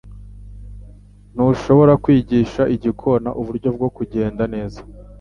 Ntushobora kwigisha igikona uburyo bwo kugenda neza.